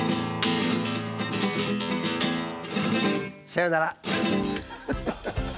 「さよなら」